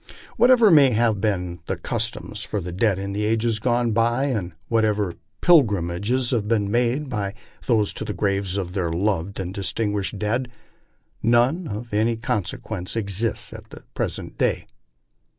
Whatever may have been the customs for the dead in ages gone by, and whatever pilgrim ages may have been made to the graves of their loved and distinguished dead, none of any consequence exist at the present day.